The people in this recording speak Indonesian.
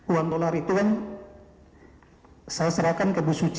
uang dolar itu kan saya serahkan ke bu suci